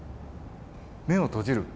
目を閉じる。